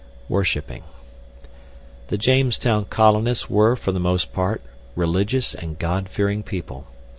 Worshipping The Jamestown colonists were, for the most part, religious and God fearing people.